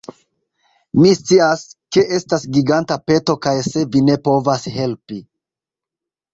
Mi scias, ke estas giganta peto kaj se vi ne povas helpi